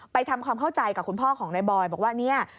ทำความเข้าใจกับคุณพ่อของนายบอยบอกว่าเนี่ย